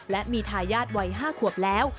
และมีทายาทวัย๕ขวบแล้ว